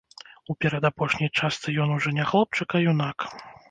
У перадапошняй частцы ён ужо не хлопчык, а юнак.